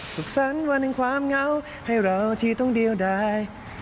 สุขสรรค์วันหนึ่งความเหงาให้เราที่ต้องเดียวได้